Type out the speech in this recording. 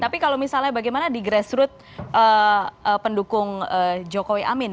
tapi kalau misalnya bagaimana di grassroot pendukung jokowi amin